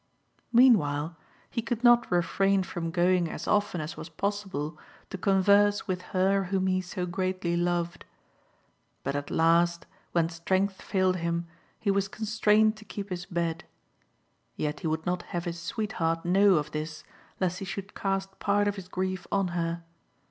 Meanwhile, he could not refrain from going as often as was possible to converse with her whom he so greatly loved. But at last, when strength failed him, he was constrained to keep his bed ; yet he would not have his sweetheart know of this, lest he should cast part of his grief on her.